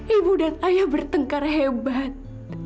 ibu dan ayah bertengkar hebat